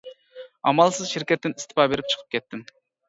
ئامالسىز شىركەتتىن ئىستېپا بېرىپ چىقىپ كەتتىم.